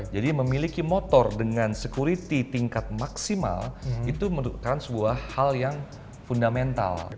jadi memiliki motor dengan security tingkat maksimal itu merupakan sebuah hal yang fundamental